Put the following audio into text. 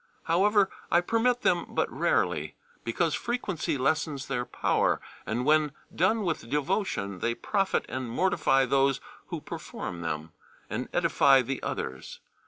However, I permit them but rarely, because frequency lessens their power, and when done with devotion they profit and mortify those who perform them, and edify the others.